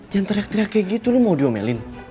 jangan teriak teriak kayak gitu lo mau diomelin